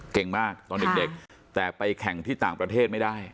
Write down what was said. เก่งมากตอนเด็กแต่ไปแข่งที่ต่างประเทศไม่ได้